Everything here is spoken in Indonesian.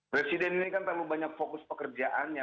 presiden ini kan terlalu banyak fokus pekerjaannya